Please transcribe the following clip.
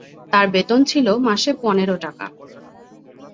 তার বেতন ছিল মাসে পনেরো টাকা।